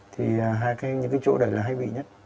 thì hai cái chỗ đấy là hay bị nhất